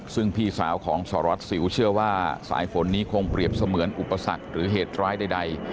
ซึ่งพี่สาวของสารวัตรสิวเชื่อว่าสายฝนนี้คงเปรียบเสมือนอุปสรรคหรือเหตุร้ายใด